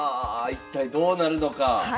一体どうなるのか。